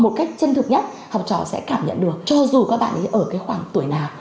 một cách chân thực nhất học trò sẽ cảm nhận được cho dù các bạn ấy ở cái khoảng tuổi nào